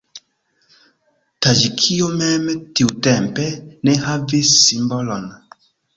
Taĝikio mem tiutempe ne havis simbolon.